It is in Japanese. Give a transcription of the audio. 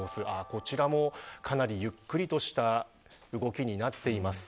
こちらもかなりゆっくりとした動きになっています。